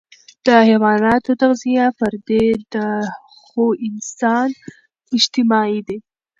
د حيواناتو تغذیه فردي ده، خو انسان اجتماعي دی.